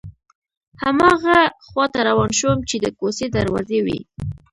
هماغه خواته روان شوم چې د کوڅې دروازې وې.